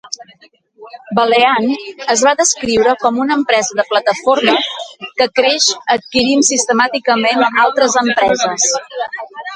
Valeant es va descriure com una empresa de plataformes que creix adquirint sistemàticament altres empreses.